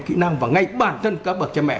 kỹ năng và ngay bản thân các bậc cha mẹ